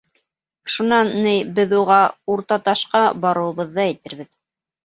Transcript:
Шунан, ни, беҙ уға Уртаташҡа барыуыбыҙҙы әйтербеҙ.